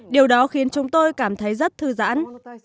điều đó khiến chúng tôi cảm thấy rất thư giãn